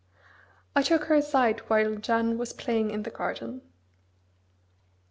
I took her aside while Jeanne was playing in the garden.